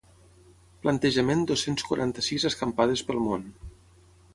Plantejament dos-cents quaranta-sis escampades pel món.